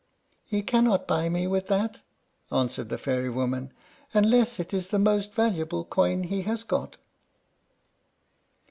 "He cannot buy me with that," answered the fairy woman, "unless it is the most valuable coin he has got."